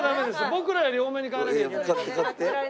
僕らより多めに買わなきゃいけないから。